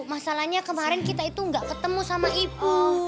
masalahnya kemarin kita itu nggak ketemu sama ibu